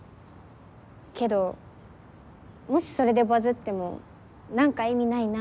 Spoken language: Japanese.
けどもしそれでバズっても何か意味ないなぁって。